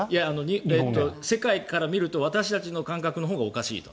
世界から見ると私たちの感覚のほうがおかしいと。